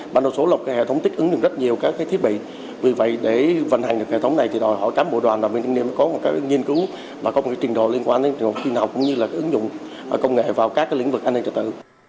bản đối số là hệ thống tích ứng được rất nhiều các thiết bị vì vậy để vận hành được hệ thống này thì đòi hỏi các bộ đoàn và nguyên liệu có những nghiên cứu và công nghệ trình độ liên quan đến trình độ kinh học cũng như là ứng dụng công nghệ vào các lĩnh vực an ninh trật tự